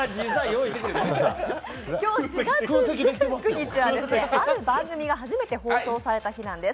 今日４月１９日はある番組が初めて放送された日なんです。